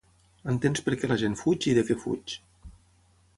Entens per què la gent fuig i de què fuig.